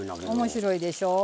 面白いでしょう。